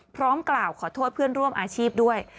พร้อมกล่าวขอโทษเพื่อนร่วมอาชีพด้วย